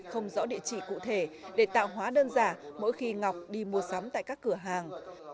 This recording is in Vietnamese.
không rõ địa chỉ cụ thể để tạo hóa đơn giả mỗi khi ngọc đi mua sắm tại các cửa hàng